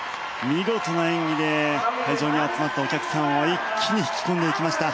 見事な演技で会場に集まったお客さんを一気に引き込んでいきました